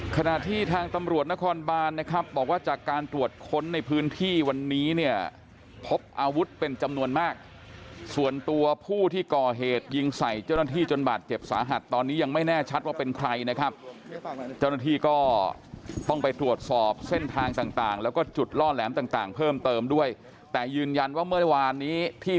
ขณะที่ทางตำรวจนครบานนะครับบอกว่าจากการตรวจค้นในพื้นที่วันนี้เนี่ยพบอาวุธเป็นจำนวนมากส่วนตัวผู้ที่ก่อเหตุยิงใส่เจ้าหน้าที่จนบาดเจ็บสาหัสตอนนี้ยังไม่แน่ชัดว่าเป็นใครนะครับเจ้าหน้าที่ก็ต้องไปตรวจสอบเส้นทางต่างแล้วก็จุดล่อแหลมต่างเพิ่มเติมด้วยแต่ยืนยันว่าเมื่อวานนี้ที่